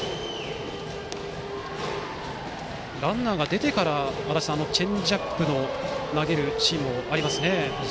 ランナーが出てからチェンジアップを投げるシーンもありますね。